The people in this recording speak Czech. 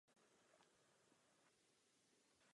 Již během těchto studií začal hrát studentské divadlo.